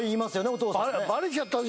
お父さんね。